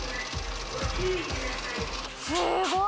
すごい。